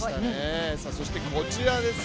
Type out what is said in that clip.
そしてこちらです。